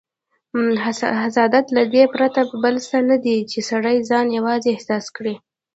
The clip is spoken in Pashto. حسادت له دې پرته بل څه نه دی، چې سړی ځان یوازې احساس کړي.